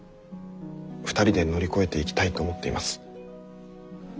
２人で乗り越えていきたいと思っています。